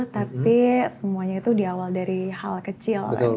tapi semuanya itu di awal dari hal kecil